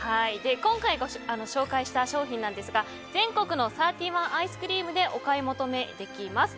今回紹介した商品なんですが全国のサーティワンアイスクリームでお買い求めできます。